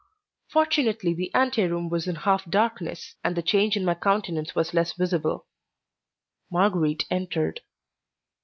Fortunately the anteroom was in half darkness, and the change in my countenance was less visible. Marguerite entered.